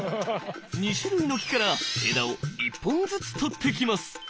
２種類の木から枝を１本ずつ取ってきます。